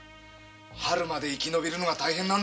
春先まで生き延びるのが大変だ。